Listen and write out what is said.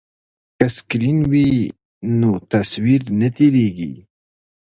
که سکرین وي نو تصویر نه تیریږي.